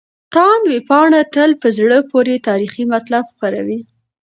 تاند ویبپاڼه تل په زړه پورې تاريخي مطالب خپروي.